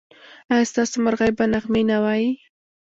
ایا ستاسو مرغۍ به نغمې نه وايي؟